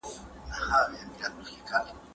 هغه وويل چي زده کړه مهمه ده